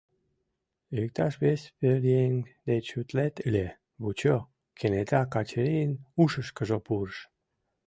«Иктаж вес пӧръеҥ деч утлет ыле, вучо, — кенета Качырийын ушышкыжо пурыш.